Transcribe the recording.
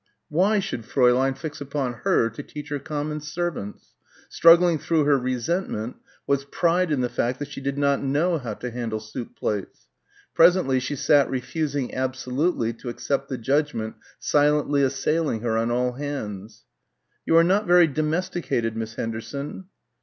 Why should Fräulein fix upon her to teach her common servants? Struggling through her resentment was pride in the fact that she did not know how to handle soup plates. Presently she sat refusing absolutely to accept the judgment silently assailing her on all hands. "You are not very domesticated, Miss Henderson."